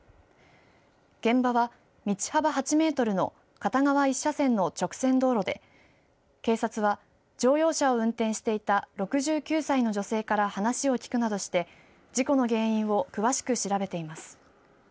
現場は道幅８メートルの片側１車線の直線道路で警察は、乗用車を運転していた６９歳の女性から話を聞くなどして事故の原因を詳しく調べています。